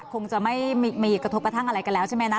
คงจะไม่มีกระทบกระทั่งอะไรกันแล้วใช่ไหมนะ